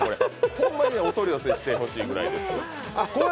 ホンマにお取り寄せしてほしいくらいです。